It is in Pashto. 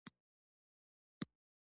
دومره تکلیفونه چې پر افغانانو راغلل.